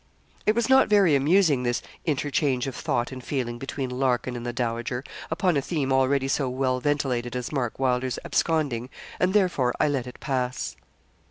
It was not very amusing this interchange of thought and feeling between Larkin and the dowager, upon a theme already so well ventilated as Mark Wylder's absconding, and therefore I let it pass.